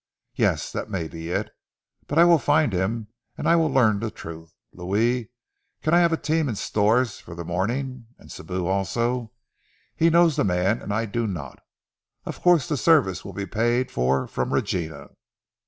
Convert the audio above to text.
Yes, that may be it! But I will find him, and I will learn the truth. Louis, can I have a team and stores for the morning? And Sibou also? He knows the man and I do not. Of course the service will be paid for from Regina."